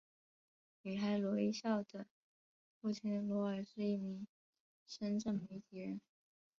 女孩罗一笑的父亲罗尔是一名深圳媒体人。